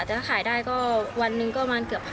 ถ้าขายได้ก็วันนึงก็ประมาณเกือบ๑๐๐๐นะครับ